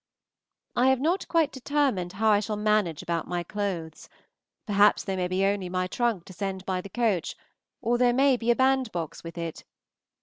I have not quite determined how I shall manage about my clothes; perhaps there may be only my trunk to send by the coach, or there may be a band box with it.